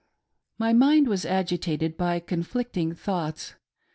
My mind was agitated by conflicting thoughts.